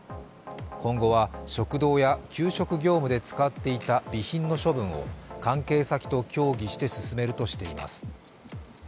今後は食堂や給食業務で使っていた備品の処分を関係先と協議して進めるとしています。